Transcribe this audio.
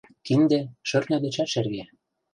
Кинде — шӧртньӧ дечат шерге.